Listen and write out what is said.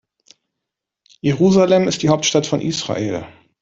Jerusalem ist die Hauptstadt von Israel.